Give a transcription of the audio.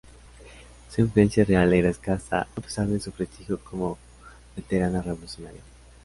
Su influencia real era escasa, a pesar de su prestigio como veterana revolucionaria.